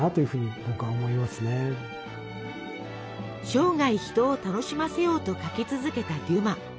生涯人を楽しませようと書き続けたデュマ。